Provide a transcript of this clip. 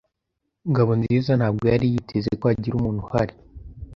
Ngabonziza ntabwo yari yiteze ko hagira umuntu uhari.